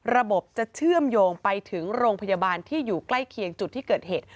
ระบบจะเชื่อมโยงไปถึงโรงพยาบาลที่อยู่ใกล้เคียงจุดที่เกิดเหตุ